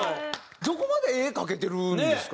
どこまで絵描けてるんですか？